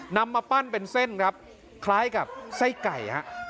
นำมาปั้นเป็นเส้นครับคล้ายกับไส้ไก่ฮะ